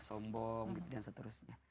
sombong gitu dan seterusnya